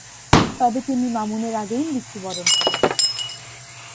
তবে তিনি মামুনের আগেই মৃত্যুবরণ করেন।